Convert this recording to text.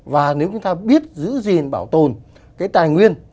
và nếu chúng ta biết giữ gìn bảo tồn cái tài nguyên